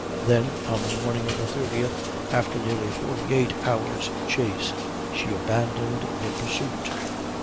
Then, on the morning of the 30th, after nearly 48 hours' chase, she abandoned the pursuit.